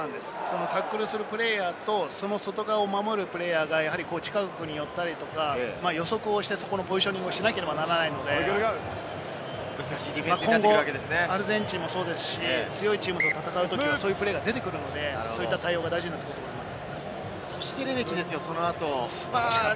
タックルするプレーヤーとその外側を回るプレーヤーが近くに寄ったりとか、予測をしてポジショニングをしなければならないので、今後アルゼンチンもそうですし、強いチームと戦うときはそういうプレーが出てくるので、対応が大事になってくると思います。